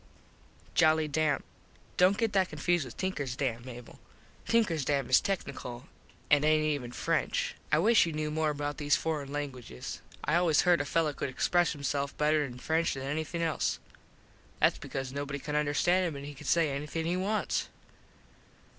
Joli Dame: Dont get that confused with Tinkers Dam, Mable. Tinkers Dam is tecknickle an aint even French. I wish you knew more about these forin languiges. I always herd a fello could express himself better in French than anything else. Thats because nobody can understand him an he can say anything he wants.